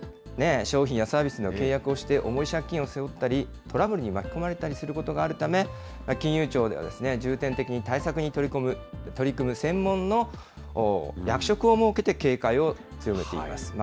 商品やサービスの契約をして、重い借金を背負ったり、トラブルに巻き込まれたりすることがあるため、金融庁では重点的に対策に取り組む専門の役職を設けて警戒を強めています。